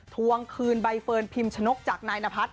ทวงคืนใบเฟิร์นพิมชนกจากนายนพัฒน